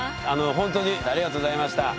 ほんとにありがとうございました。